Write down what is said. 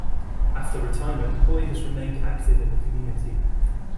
After retirement, Poy has remained active in the community.